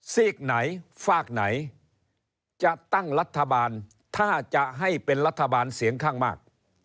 ซีกไหนฝากไหนจะตั้งรัฐบาลถ้าจะให้เป็นรัฐบาลเสียงข้างมาก